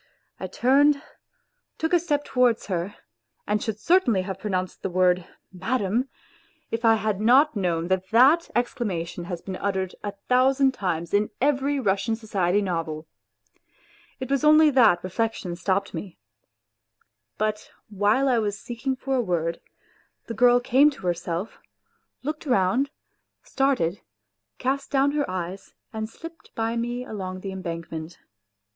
I turned, took a step towards her, and should certainly have pronounced the word " Madam !" if I had not known that that exclamation has been uttered a thousand times in every Russian society novel. It was only that reflection stopped me. But while I was seeking for a word, the girl came to herself, looked round, started, cast down her eyes and slipped 6 WHITE NIGHTS by me along the embankment.